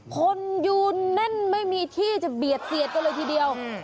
คนยืนแน่นไม่มีที่จะเบียดเสียดกันเลยทีเดียว